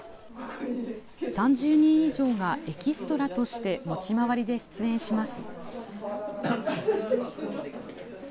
３０人以上がエキストラとして持ち回りで出演します。